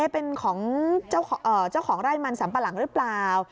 เป็นของเจ้าของไร่มันสัมปะหลังหรือเปล่า